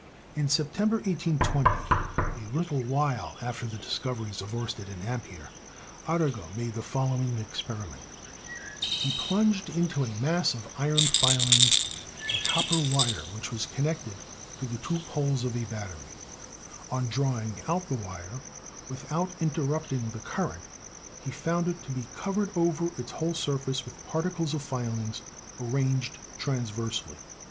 In September, 1820, a little while after the discoveries of Oersted and Ampere, Arago made the following experi ment: He plunged into a mass of iron filings a copper wire which was connected to the two poles of a battery; on drawing out the wire, without interrupting the current, he found it to be covered over its whole surface with particles of filings arranged transversely.